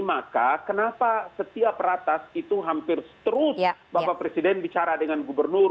maka kenapa setiap ratas itu hampir terus bapak presiden bicara dengan gubernur